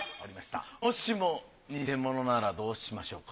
もしもニセモノならどうしましょうか？